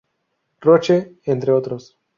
Roche, entre otros.